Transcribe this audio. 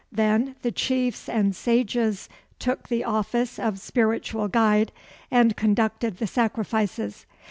Then the chiefs and sages took the office of spiritual guide, and conducted the sacrifices.